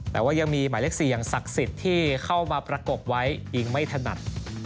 แต่ว่ายังมีหมายเลข๔อย่างศักดิ์สิทธิ์ที่เข้ามาประกบไว้อีกไม่ถนัด